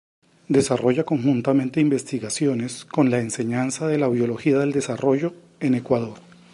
Desarrolla conjuntamente, investigaciones con la enseñanza de la Biología del Desarrollo, en Ecuador.